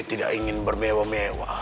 tidak ingin bermewah mewah